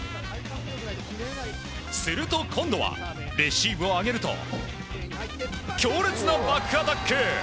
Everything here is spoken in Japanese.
すると、今度はレシーブを上げると強烈なバックアタック！